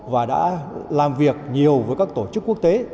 và đã làm việc nhiều với các tổ chức quốc tế